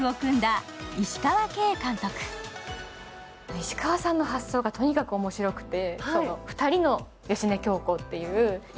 石川さんの発想がとにかく面白くて。